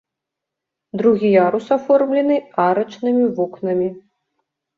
Другі ярус аформлены арачнымі вокнамі.